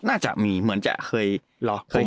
น่าจะมีเหมือนจะเคยเห็นทันทาน